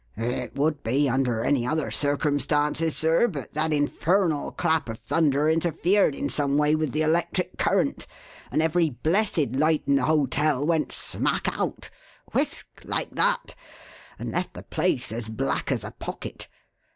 "It would be, under any other circumstances, sir, but that infernal clap of thunder interfered in some way with the electric current, and every blessed light in the hotel went smack out whisk! like that! and left the place as black as a pocket.